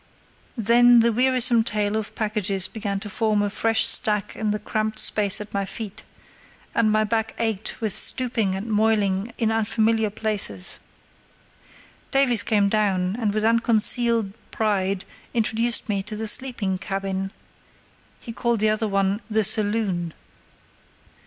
Then the wearisome tail of packages began to form a fresh stack in the cramped space at my feet, and my back ached with stooping and moiling in unfamiliar places. Davies came down, and with unconcealed pride introduced me to the sleeping cabin (he called the other one "the saloon").